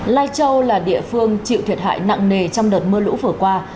lai châu là địa phương chịu thiệt hại nặng nề trong đợt mưa lũ vừa qua